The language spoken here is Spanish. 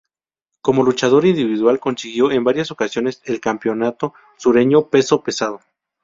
Como luchador individual consiguió en varias ocasiones el Campeonato Sureño Peso Pesado.